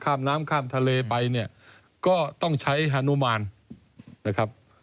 ข้ามน้ำข้ามทะเลไปเนี่ยก็ต้องใช้ฮานุมานนะครับ